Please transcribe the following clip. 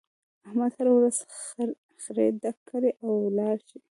احمد هر ورځ خړی ډک کړي او ولاړ شي.